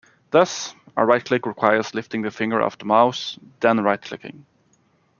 Thus a right-click requires lifting the finger off the mouse, then right-clicking.